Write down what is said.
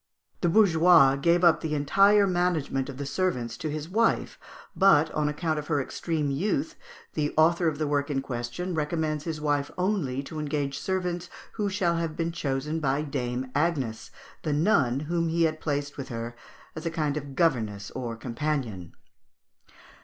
The bourgeois gave up the entire management of the servants to his wife; but, on account of her extreme youth, the author of the work in question recommends his wife only to engage servants who shall have been chosen by Dame Agnes, the nun whom he had placed with her as a kind of governess or companion.